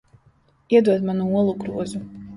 Iedod man olu grozu.